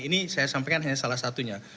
ini saya sampaikan hanya salah satunya